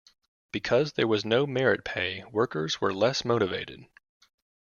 Because there was no merit pay, workers were less motivated.